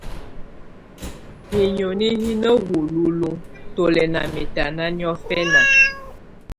Hinoni hɛ̀ na hululuǝ́ tù lɛ̀ nà mɛ̀tana niɔfɛna.